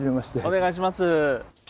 お願いします。